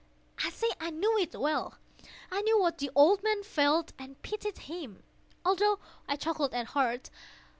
I say I knew it well. I knew what the old man felt, and pitied him, although I chuckled at heart.